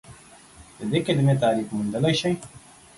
د دې کلمې تعریف موندلی شئ؟